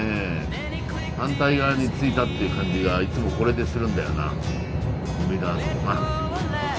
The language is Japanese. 反対側に着いたっていう感じがいつもこれでするんだよなコンビナートのな。